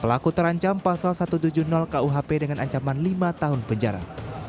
pelaku terancam pasal satu ratus tujuh puluh kuhp dengan ancaman lima tahun penjara